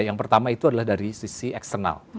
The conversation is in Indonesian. yang pertama itu adalah dari sisi eksternal